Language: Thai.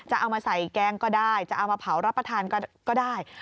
จะเอามาใส่แกงก็ได้จะเอามาเผารับประทานก็ได้